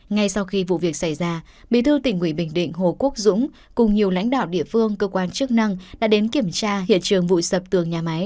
ngay sau khi vụ việc xảy ra bị thư tỉnh ubnd hồ quốc dũng cùng nhiều lãnh đạo địa phương cơ quan chức năng đã đến kiểm tra hiện trường vụ sập tường nhà máy